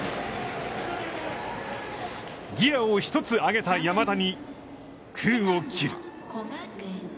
ギアを１つ上げた山田に、空を切る。